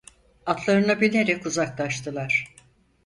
Atlarına binerek uzaklaştılar.